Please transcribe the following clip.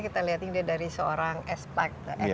kita lihat ini dari seorang ekspat